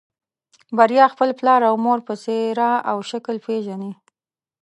بريا خپل پلار او مور په څېره او شکل پېژني.